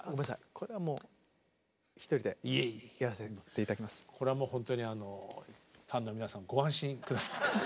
これはもうこれはもうほんとにあのファンの皆さんご安心下さい。